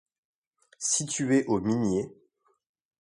Située au Minier.